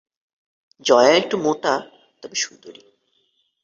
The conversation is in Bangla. জয়া একটু মোটা, তবে সুন্দরী।